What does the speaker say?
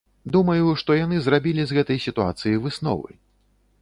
Думаю, што яны зрабілі з гэтай сітуацыі высновы.